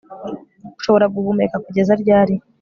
ushobora guhumeka kugeza ryari